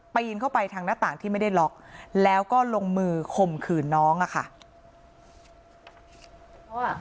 นเข้าไปทางหน้าต่างที่ไม่ได้ล็อกแล้วก็ลงมือข่มขืนน้องอะค่ะ